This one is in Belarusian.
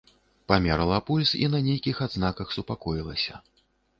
Памерала пульс і на нейкіх адзнаках супакоілася.